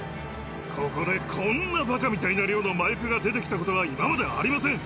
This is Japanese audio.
ここでこんなバカみたいな量の麻薬が出て来たことは今までありません。